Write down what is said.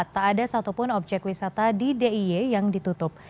tak ada satupun objek wisata di d i e yang ditutup